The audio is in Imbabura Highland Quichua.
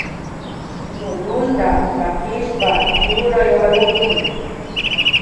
Lulunta pakishpa churay warukpi